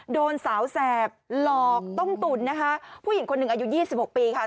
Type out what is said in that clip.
โดนสาวแสบหลอกต้มตุ๋นนะคะผู้หญิงคนหนึ่งอายุ๒๖ปีค่ะ